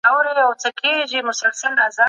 هر څوک حق لري چې په علمي بحثونو کې برخه واخلي.